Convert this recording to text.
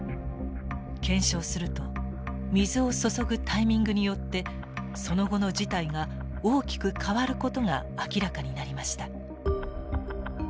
検証すると水を注ぐタイミングによってその後の事態が大きく変わることが明らかになりました。